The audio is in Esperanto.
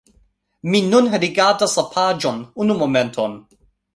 Mi nun rigardas la paĝon unu momenton